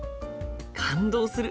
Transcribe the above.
感動する。